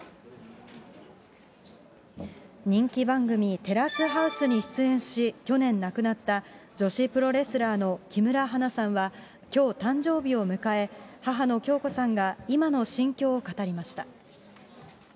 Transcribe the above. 人気番組、テラスハウスに出演し、去年亡くなった、女子プロレスラーの木村花さんは、きょう誕生日を迎え、母の響子さんが今の心境を語りました。